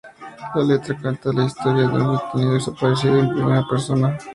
La letra cuenta la historia de un Detenido desaparecido en primera persona.